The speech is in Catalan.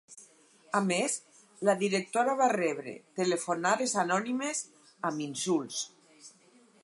A més, la directora va rebre telefonades anònimes amb insults.